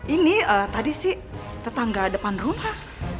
ini tadi sih tetangga depan rumah